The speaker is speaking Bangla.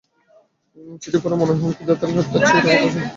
চিঠি পড়ে মনে হয়, হুমকিদাতার কাছে হত্যার চেয়ে টাকা পাওয়ার চেষ্টাই মুখ্য।